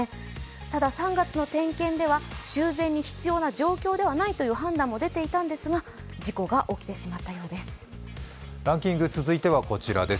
ただ３月の点検では修繕に必要な状況ではないという判断もされていたんですが事故が起きてしまったようです。